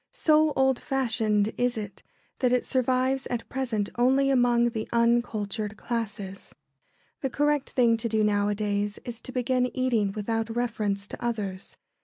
So old fashioned is it that it survives at present only among the uncultured classes. The correct thing to do nowadays is to begin eating without reference to others.